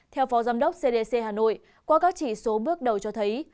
theo phó giám đốc cdc hà nội qua các chỉ số bước đầu cho thấy